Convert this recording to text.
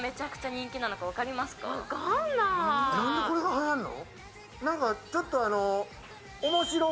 なんでこれがはやるの？